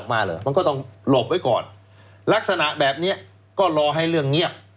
มันก็ต้องหลบไว้ก่อน